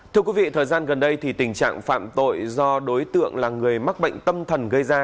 thưa quý vị thời gian gần đây thì tình trạng phạm tội do đối tượng là người mắc bệnh tâm thần gây ra